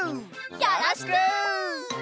よろしく！